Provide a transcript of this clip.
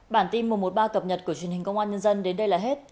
bản tin mùa một ba cập nhật của truyền hình công an nhân dân đến đây là hết